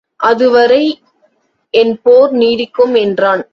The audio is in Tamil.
அதுவரை என் போர் நீடிக்கும் என்றான்.